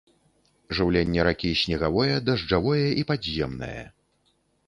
Жыўленне ракі снегавое, дажджавое і падземнае.